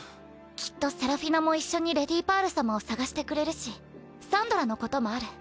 きっとセラフィナも一緒にレディパール様を捜してくれるしサンドラのこともある。